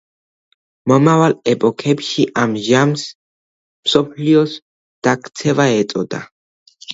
მომავალ ეპოქებში ამ ჟამს „მსოფლიოს დაქცევა“ ეწოდა.